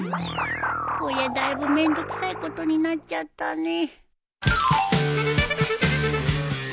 こりゃだいぶめんどくさいことになっちゃったね